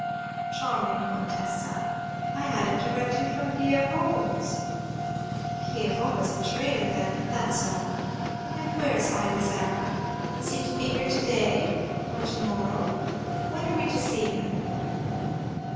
"Charming Comtesse, I had it direct from Pierrot's." "Pierrot is a traitor, then, that's all; and where's Ida's Arab? is he to be here to day, or to morrow? When are we to see him?"